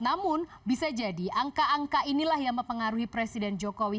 namun bisa jadi angka angka inilah yang mempengaruhi presiden jokowi